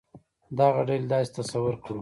دغه ډلې داسې تصور کړو.